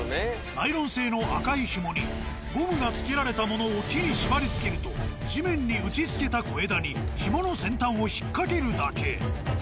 ナイロン製の赤い紐にゴムが付けられたものを木に縛りつけると地面に打ちつけた小枝に紐の先端を引っ掛けるだけ。